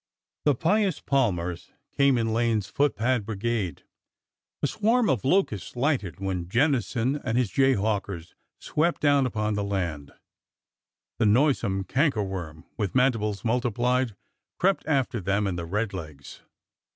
The pious palmers came in Lane's footpad brigade ; a swarm of locusts lighted when Jennison and his jay hawkers swept down upon the land ; the noisome canker worm, with mandibles multiplied, crept after them in the '' red legs."